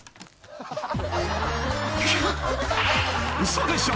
［嘘でしょ？］